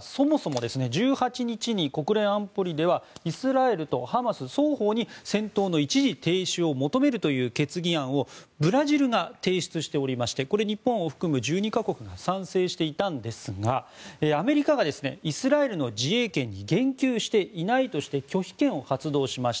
そもそも１８日に国連安保理ではイスラエルとハマス双方に戦闘の一時停止を求めるという決議案をブラジルが提出しておりましてこれ日本を含む１２か国が賛成していたんですがアメリカがイスラエルの自衛権に言及していないとして拒否権を発動しました。